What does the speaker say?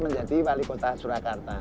menjadi wali kota surakarta